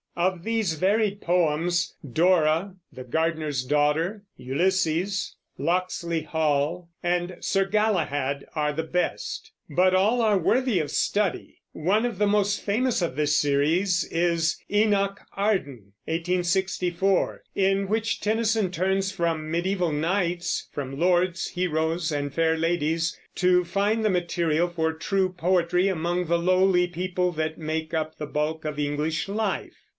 Of these varied poems, "Dora," "The Gardener's Daughter," "Ulysses," "Locksley Hall" and "Sir Galahad" are the best; but all are worthy of study. One of the most famous of this series is "Enoch Arden" (1864), in which Tennyson turns from mediæval knights, from lords, heroes, and fair ladies, to find the material for true poetry among the lowly people that make up the bulk of English life.